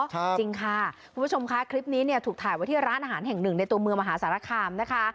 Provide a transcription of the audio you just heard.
จริงค่ะคุณผู้ชมค่ะคลิปนี้เนี่ยถูกถ่ายไว้ที่ร้านอาหารแห่งหนึ่งในตัวเมืองมหาสารคามนะคะ